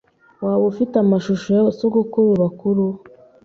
Waba ufite amashusho ya sogokuru bakuru?